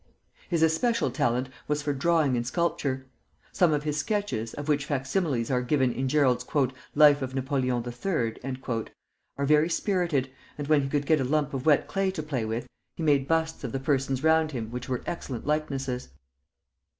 His especial talent was for drawing and sculpture. Some of his sketches, of which fac similes are given in Jerrold's "Life of Napoleon III.," are very spirited, and when he could get a lump of wet clay to play with, he made busts of the persons round him which were excellent likenesses.